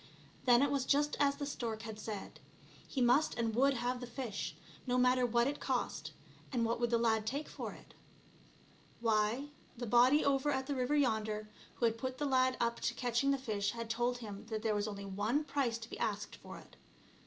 Then it was just as the stork had said. He must and would have the fish, no matter what it cost ; and what would the lad take for it ? Why, the body over at the river yonder, who had put the lad up to catching the fish, had told him that there was only one price to be asked for it.